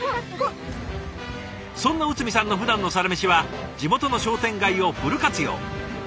そんな慈さんのふだんのサラメシは地元の商店街をフル活用。